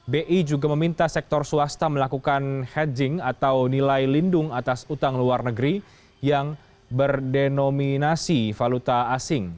bi juga meminta sektor swasta melakukan hedging atau nilai lindung atas utang luar negeri yang berdenominasi valuta asing